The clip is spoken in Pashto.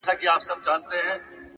• کله کله ځان ترې ورک سي چي غلام دی ,